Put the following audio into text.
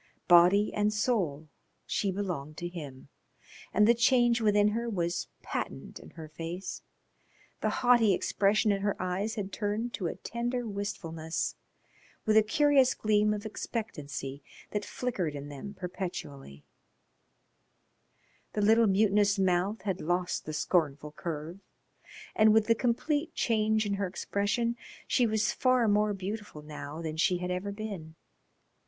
Body and soul she belonged to him. And the change within her was patent in her face, the haughty expression in her eyes had turned to a tender wistfulness, with a curious gleam of expectancy that flickered in them perpetually; the little mutinous mouth had lost the scornful curve. And with the complete change in her expression she was far more beautiful now than she had ever been.